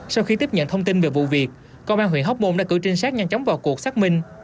sau khi tiếp nhận thông tin về vụ việc công an huyện hóc môn đã cử trinh sát nhanh chóng vào cuộc xác minh